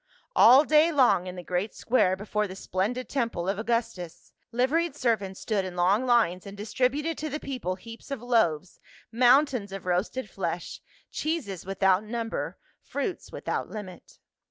All day long in the great square before the splendid temple of Augustus, liveried servants stood in long lines and distributed to the people heaps of loaves, moun tains of roasted flesh, cheeses without number, fruits without limit.